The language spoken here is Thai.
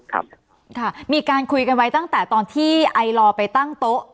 ครับค่ะมีการคุยกันไว้ตั้งแต่ตอนที่ไอลอร์ไปตั้งโต๊ะ